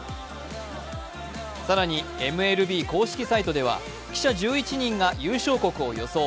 更にＭＬＢ公式サイトでは記者１１人が優勝国を予想。